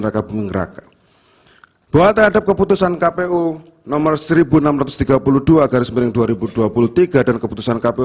bahwa terhadap keputusan kpu nomor seribu enam ratus tiga puluh dua garis miring dua ribu dua puluh tiga dan keputusan kpu